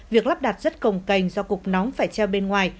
việc lắp đặt rất cồng cành do cục nóng phải treo bên ngoài